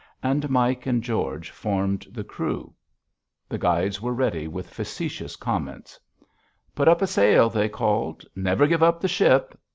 And Mike and George formed the crew. The guides were ready with facetious comments. "Put up a sail!" they called. "Never give up the ship!"